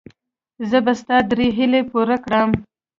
زه به ستا درې هیلې پوره کړم.